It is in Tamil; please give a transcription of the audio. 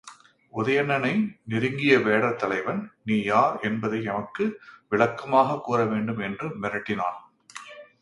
உதயணனை நெருங்கிய வேடர் தலைவன், நீ யார் என்பதை எமக்கு விளக்கமாகக் கூறவேண்டும் என்று மிரட்டினான்.